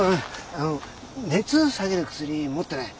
あの熱下げる薬持ってない？